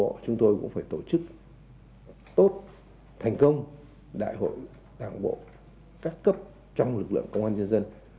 trong lúc này chúng tôi cũng phải tổ chức tốt thành công đại hội đảng bộ các cấp trong lực lượng công an nhân dân